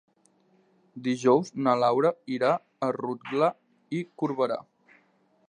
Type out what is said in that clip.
Dijous na Laura irà a Rotglà i Corberà.